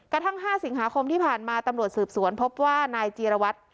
กระทั่ง๕สิงหาคมที่ผ่านมาตำรวจสืบสวนพบว่านายจีรวัตร